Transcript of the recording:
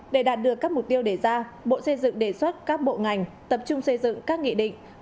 để đạt được các mục tiêu đề ra bộ xây dựng đề xuất các bộ ngành tập trung xây dựng các nghị định